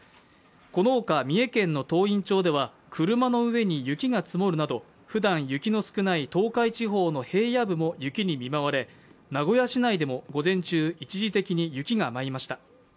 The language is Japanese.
このほか、三重県の東員町では車の上に雪が積もるなど、ふだん雪の少ない東海地方の平野部も雪に見舞われ名古屋市内でも午前中、一時的に雪が舞いました。